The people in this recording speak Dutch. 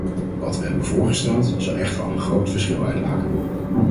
Wat we hebben voorgesteld, zal echter al een groot verschil uitmaken.